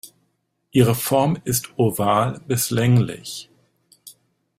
Ihre Form ist oval bis länglich.